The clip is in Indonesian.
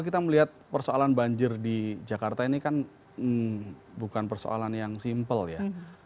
kita melihat persoalan banjir di jakarta ini kan bukan persoalan yang simpel ya